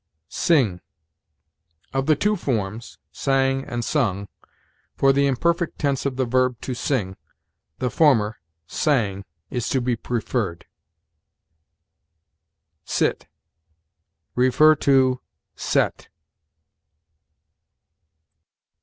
SING. Of the two forms sang and sung for the imperfect tense of the verb to sing, the former sang is to be preferred. SIT. See SET.